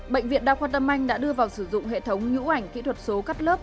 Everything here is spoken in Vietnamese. bệnh viện đa khoa tâm anh đã đưa vào sử dụng hệ thống nhũ ảnh kỹ thuật số cắt lớp